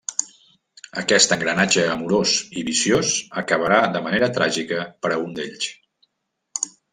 Aquest engranatge amorós i viciós acabarà de manera tràgica per a un d'ells.